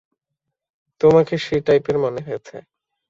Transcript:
তোমাকে সেই টাইপের মনে হয়েছে।